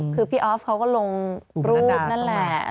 คือพี่ออฟเขาก็ลงรูปนั่นแหละ